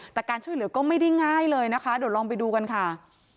แต่การช่วยเหลือก็ไม่ได้ง่ายเลยนะคะเดี๋ยวลองไปดูกันค่ะ